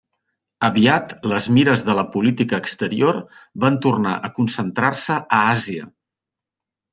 Aviat les mires de la política exterior van tornar a concentrar-se a Àsia.